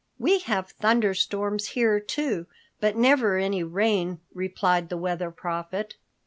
"We have thunder storms here, too, but never any rain," replied the Weather Prophet.